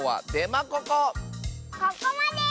ここまで！